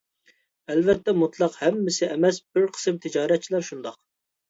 ئەلۋەتتە مۇتلەق ھەممىسى ئەمەس بىر قىسىم تىجارەتچىلەر شۇنداق.